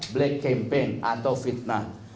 black kempen atau fitnah